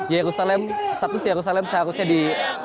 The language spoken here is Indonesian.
yerusalem status yerusalem seharusnya di